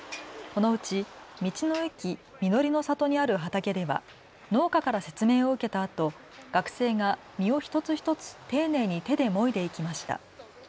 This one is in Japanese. このうち道の駅、みのりの郷にある畑では農家から説明を受けたあと学生が実を一つ一つ丁寧に手でもいでいきました。